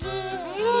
うん！